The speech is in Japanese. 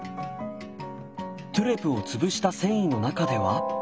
トゥレを潰した繊維の中では。